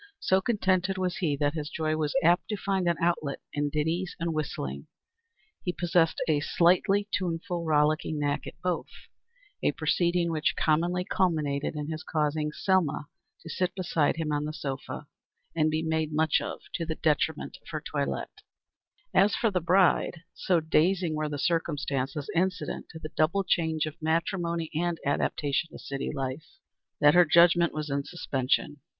So contented was he that his joy was apt to find an outlet in ditties and whistling he possessed a slightly tuneful, rollicking knack at both a proceeding which commonly culminated in his causing Selma to sit beside him on the sofa and be made much of, to the detriment of her toilette. As for the bride, so dazing were the circumstances incident to the double change of matrimony and adaptation to city life, that her judgment was in suspension.